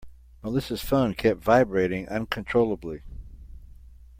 Melissa's phone kept vibrating uncontrollably.